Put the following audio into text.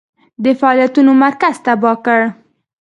د فعالیتونو مرکز تباه کړ.